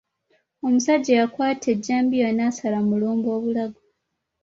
Omusajja yakwata ejjambiya n'asala Mulumba obulago.